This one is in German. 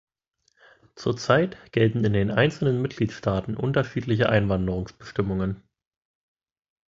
Zur Zeit gelten sind in den einzelnen Mitgliedstaaten unterschiedliche Einwanderungsbestimmungen.